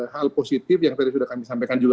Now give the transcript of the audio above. hal positif yang tadi sudah kami sampaikan juga